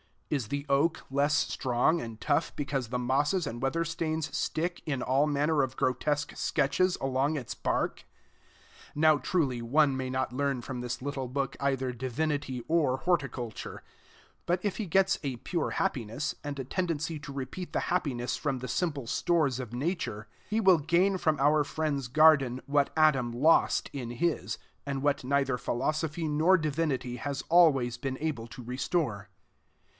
Is the oak less strong and tough because the mosses and weather stains stick in all manner of grotesque sketches along its bark? Now, truly, one may not learn from this little book either divinity or horticulture; but if he gets a pure happiness, and a tendency to repeat the happiness from the simple stores of Nature, he will gain from our friend's garden what Adam lost in his, and what neither philosophy nor divinity has always been able to restore.